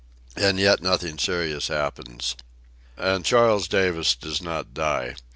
And yet nothing serious happens. And Charles Davis does not die.